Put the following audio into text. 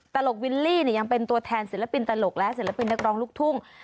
ตลกวิลลี่ยังเป็นตัวแทนศิลปินตลกและศิลปินนักร้องลูกทุ่ง